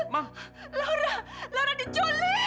laura laura diculik